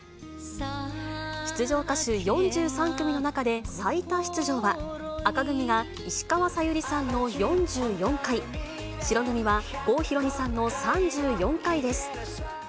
出場歌手４３組の中で最多出場は、紅組が石川さゆりさんの４４回、白組は郷ひろみさんの３４回です。